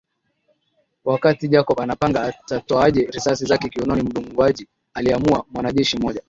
Wakati Jacob anapanga atatoaje risasi zake kiunoni mdunguaji alimuua mwanajeshi mmoja